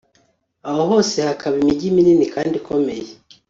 aho hose hakaba imigi minini kandi ikomeye